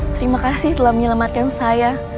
terima kasih telah menyelamatkan saya